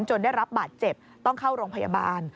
ได้รับบาดเจ็บต้องเข้าโรงพยาบาล